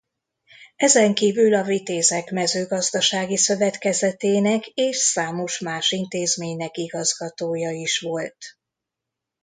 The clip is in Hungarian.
Ezen kívül a Vitézek Mezőgazdasági Szövetkezetének és számos más intézménynek igazgatója is volt.